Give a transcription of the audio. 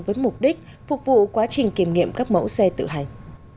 với mục đích phục vụ quá trình kiểm nghiệm các mẫu xe tự hành